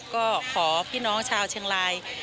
ก็ขอพี่น้องชาวเชียงราย